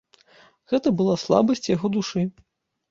Гэта была слабасць яго душы.